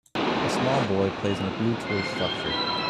A small boy plays on a blue toy structure